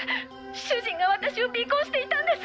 主人が私を尾行していたんです！